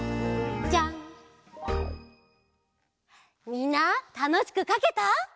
みんなたのしくかけた？